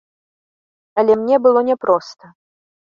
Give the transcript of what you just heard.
Але мне было няпроста.